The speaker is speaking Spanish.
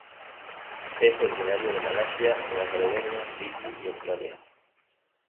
Es originario de Malasia a Nueva Caledonia, Fiyi y Australia.